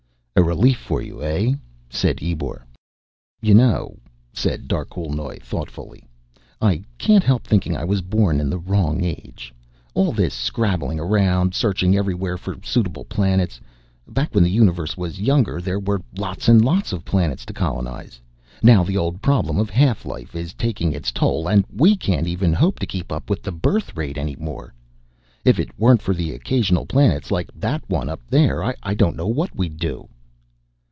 "A relief for you, eh?" said Ebor. "You know," said Darquelnoy thoughtfully, "I can't help thinking I was born in the wrong age. All this scrabbling around, searching everywhere for suitable planets. Back when the Universe was younger, there were lots and lots of planets to colonize. Now the old problem of half life is taking its toll, and we can't even hope to keep up with the birth rate any more. If it weren't for the occasional planets like that one up there, I don't know what we'd do."